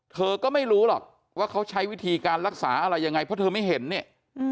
เธอก็ไม่รู้หรอกว่าเขาใช้วิธีการรักษาอะไรยังไงเพราะเธอไม่เห็นเนี่ย